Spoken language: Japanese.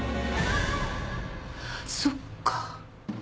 そっか。